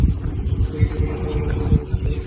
তিনি বিভিন্ন কারণে মানসিকভাবে অসুস্থ ছিলেন।